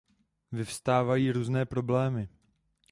Vyvstávají různé problémy.